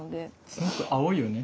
すごく青いよね。